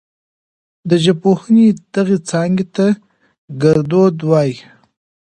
د ژبپوهنې دغې څانګې ته ګړدود وايي.